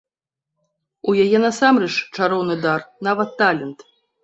У яе насамрэч чароўны дар, нават талент.